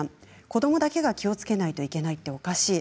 子どもだけが気をつけないといけないっておかしい。